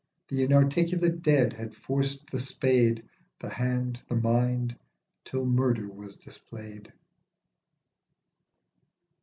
The inarticulate dead had forced the spade, The hand, the mind, till murder was dis played.